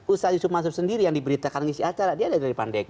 ustadz yusuf mansur sendiri yang diberitakan mengisi acara dia dari pandeka